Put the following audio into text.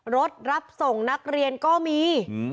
รถรับส่งนักเรียนก็มี